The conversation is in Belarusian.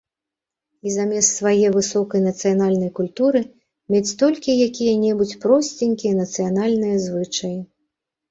І замест свае высокай нацыянальнай культуры мець толькі якія-небудзь просценькія нацыянальныя звычаі.